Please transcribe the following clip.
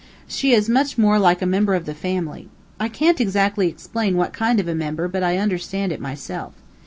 She is much more like a member of the family I can't exactly explain what kind of a member, but I understand it myself.